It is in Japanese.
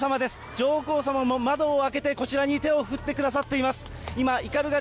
上皇さまも窓を開けてこちらに手を振ってくださっています。